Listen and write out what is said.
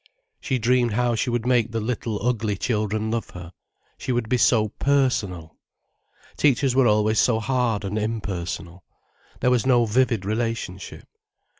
She dreamed how she would make the little, ugly children love her. She would be so personal. Teachers were always so hard and impersonal. There was no vivid relationship.